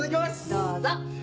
どうぞ。